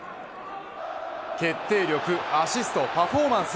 決定力、アシストパフォーマンス